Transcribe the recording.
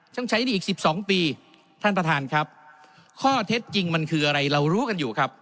ใช้หนี้อีกสิบสองปีท่านประธานครับข้อเท็จจริงมันคืออะไรเรารู้กันอยู่ครับ